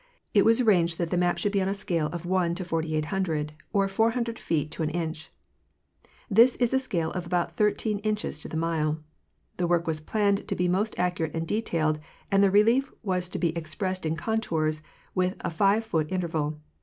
It was arranged that the map should be on ascale of 1:4800, or 400 feet to an inch. This is a scale of about 15 inches to the mile. The work was planned to be most accurate and detailed, and the relief was to be expressed in contours, with a five foot interval.